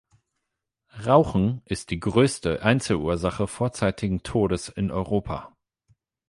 Rauchen ist die größte Einzelursache vorzeitigen Todes in Europa.